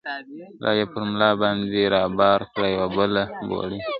لا یې پر ملاباندي را بار کړه یوه بله بورۍ ..